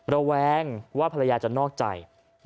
ระแวงว่าภรรยาจะนอกใจ